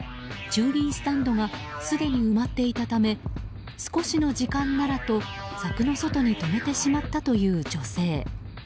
駐輪スタンドがすでに埋まっていたため少しの時間ならと柵の外に止めてしまったという女性。